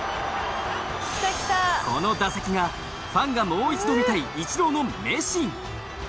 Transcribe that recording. この打席がファンがもう一度見たいイチローの名シーン。